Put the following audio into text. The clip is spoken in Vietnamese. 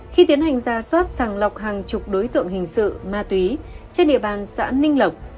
khi tiến hành ra soát sàng lọc hàng chục đối tượng hình sự ma túy trên địa bàn xã ninh lộc